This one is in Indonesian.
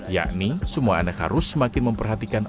yakni semua anak harus semakin memperhatikan